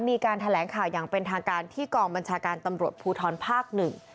มีการแถลงข่าวอย่างเป็นทางการที่กองบัญชาการตำรวจภูทรภาคหนึ่ง